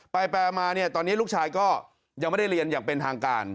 ไปมาเนี่ยตอนนี้ลูกชายก็ยังไม่ได้เรียนอย่างเป็นทางการ